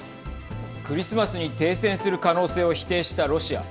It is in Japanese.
クリスマスに停戦する可能性を否定したロシア。